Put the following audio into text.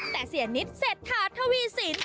แต่เซียนนิตเสร็จถาดทวีสิน